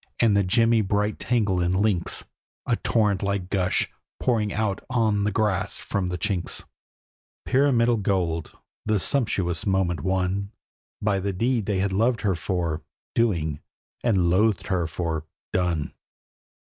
and the gemmy bright tangle in links, A torrent like gush, pouring out on the grass from the chinks, Pyramidal gold! the sumptuous monument won By the deed they had loved her for, doing, and loathed her for, done.